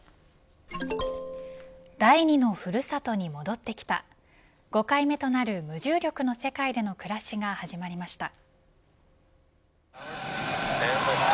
第２のふるさとに戻ってきた５回目となる無重力の世界での暮らしが始まりました。